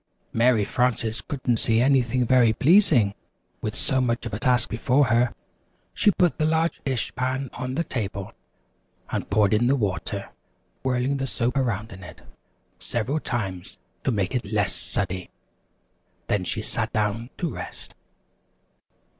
Mary Frances couldn't see anything very pleasing with so much of a task before her. She put the large dish pan on the table and poured in the water, whirling the soap around in it several times to make it a little sudsy. Then she sat down to rest.